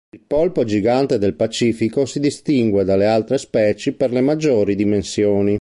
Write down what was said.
Il polpo gigante del Pacifico si distingue dalle altre specie per le maggiori dimensioni.